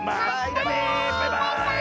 バイバーイ！